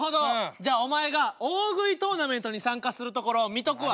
じゃあお前が大食いトーナメントに参加するところ見とくわ。